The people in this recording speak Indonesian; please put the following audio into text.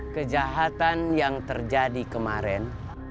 kejahatan yang terjadi kemarin